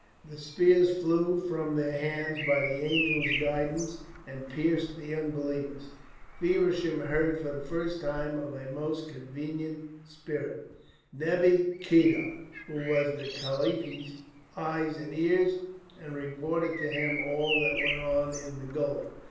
The spears flew from their hands by the angels' guidance and pierced the unbelievers. Feversham heard for the first time of a most convenient spirit, Nebbi Khiddr, who was the Khalifa's eyes and ears and reported to him all that went on in the gaol.